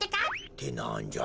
ってなんじゃ？